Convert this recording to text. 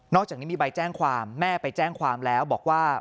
อกจากนี้มีใบแจ้งความแม่ไปแจ้งความแล้วบอกว่า